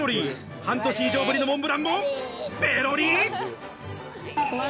半年ぶりのモンブランもペロリ！